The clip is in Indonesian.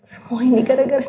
semua ini gara gara lin